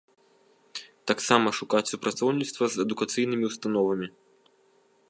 Таксама шукаць супрацоўніцтва з адукацыйнымі ўстановамі.